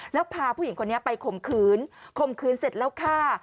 แล้วพาผู้หญิงคนนี้ไปข่มขืนข่มขืนเสร็จแล้วฆ่า